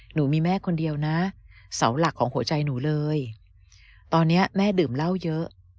หนูมีแม่คนเดียวนะเสาหลักของหัวใจหนูเลยตอนนี้แม่ดื่มเหล้าเยอะ